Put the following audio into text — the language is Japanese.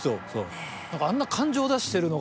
何かあんな感情出してるのが。